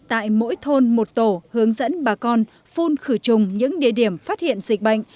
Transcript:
tại mỗi thôn một tổ hướng dẫn bà con phun khử trùng những địa điểm phát hiện dịch bệnh